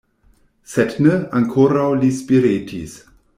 Sed ne; ankoraŭ li spiretis.